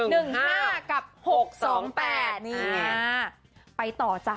เลขอะไรจ๊ะ๑๕๖๒๘